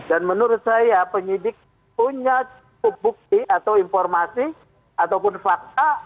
dan menurut saya penyidik punya cukup bukti atau informasi ataupun fakta